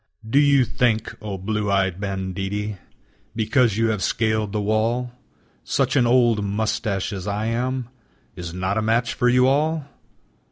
Do you think, o blue eyed banditti, Because you have scaled the wall, Such an old mustache as I am Is not a match for you all!